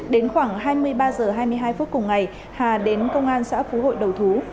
đến khoảng hai mươi ba h hai mươi hai phút cùng ngày hà đến công an xã phú hội đầu thú